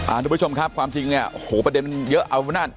อ่าทุกผู้ชมครับความจริงเนี่ยโหประเด็นเยอะอาวุธนัด